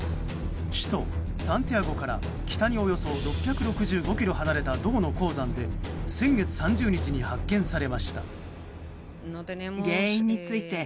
首都サンティアゴから北におよそ６６５ｋｍ離れた銅の鉱山で先月３０日に発見されました。